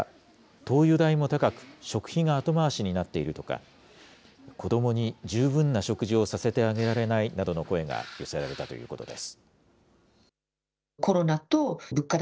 灯油代も高く、食費が後回しになっているとか、子どもに十分な食事をさせてあげられないなどの声が寄せられたということです。